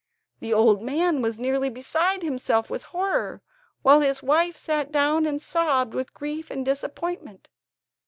The old man was nearly beside himself with horror, while his wife sat down and sobbed with grief and disappointment.